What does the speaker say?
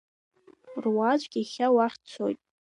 Руаӡәк иахьа уахь дцоит.